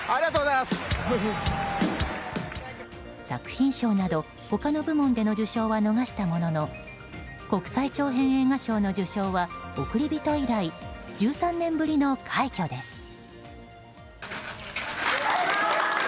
作品賞など他の部門での受賞は逃したものの国際長編映画賞の受賞は「おくりびと」以来１３年ぶりの快挙です。